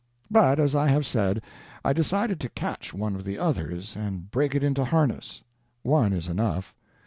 But, as I have said, I decided to catch one of the others and break it into harness. One is enough.